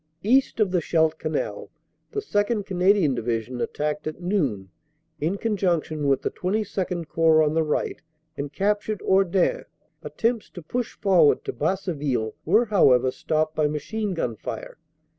East of the Scheldt Canal the 2nd. Canadian Division attacked at noon in con junction with the XXII Corps on the right and captured Hordain. Attempts to push forward to Basseville were, how ever, stopped by machine gun fire.